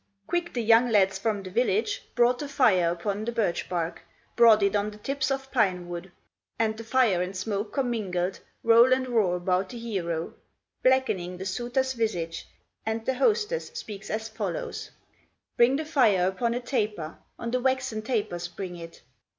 Quick the young lads from the village Brought the fire upon the birch bark, Brought it on the tips of pine wood; And the fire and smoke commingled Roll and roar about the hero, Blackening the suitor's visage, And the hostess speaks as follows: "Bring the fire upon a taper, On the waxen tapers bring it!"